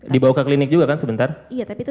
dibawa ke klinik juga kan sebentar iya tapi itu